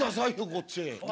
こっちへ。